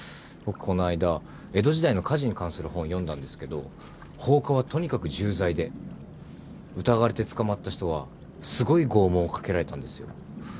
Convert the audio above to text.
僕この間江戸時代の火事に関する本読んだんですけど放火はとにかく重罪で疑われて捕まった人はすごい拷問をかけられたんですよ。